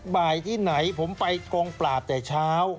บ่ายที่ไหนผมไปกองปราบแต่เช้า